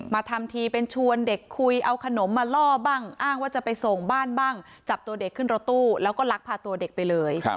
ทำทีเป็นชวนเด็กคุยเอาขนมมาล่อบ้างอ้างว่าจะไปส่งบ้านบ้างจับตัวเด็กขึ้นรถตู้แล้วก็ลักพาตัวเด็กไปเลย